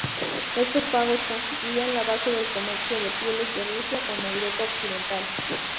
Estos pagos constituían la base del comercio de pieles de Rusia con Europa occidental.